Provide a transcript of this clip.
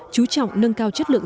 chú trọng nâng cao chất lượng